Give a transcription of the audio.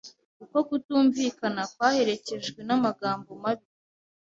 Uko kutumvikana kwaherekejwe namagambo mabi